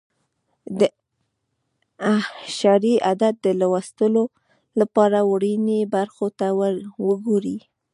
د اعشاري عدد د لوستلو لپاره د ورنيې برخو ته وګورئ.